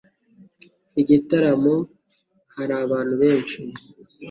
Igitaramo hari abantu benshi.